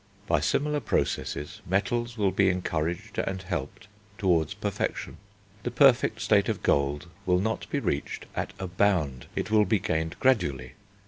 By similar processes metals will be encouraged and helped towards perfection. The perfect state of gold will not be reached at a bound; it will be gained gradually.